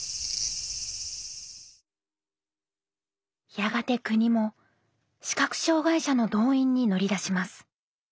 やがて国も視覚障害者の動員に乗り出します。